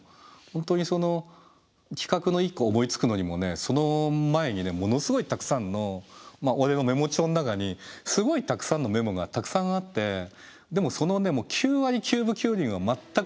本当にその企画の一個思いつくのにもその前にものすごいたくさんの俺のメモ帳の中にすごいたくさんのメモがたくさんあってでもその９割９分９厘は全く使われないもんなのよね。